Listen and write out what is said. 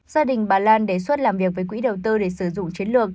gia đình bà lan đề xuất làm việc với quỹ đầu tư để sử dụng chiến lược